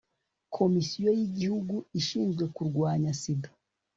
komisiyo y'igihugu inshinzwe kurwanya sida